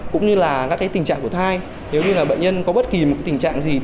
cũng như là các cái tình trạng của thai nếu như là bệnh nhân có bất kỳ một tình trạng gì